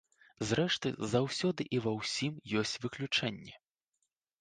Зрэшты, заўсёды і ва ўсім ёсць выключэнні.